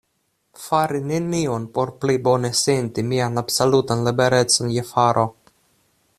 Fari nenion, por pli bone senti mian absolutan liberecon je faro.